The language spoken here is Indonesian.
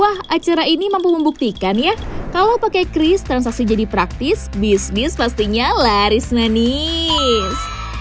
wah acara ini mampu membuktikan ya kalau pakai kris transaksi jadi praktis bisnis pastinya laris nangis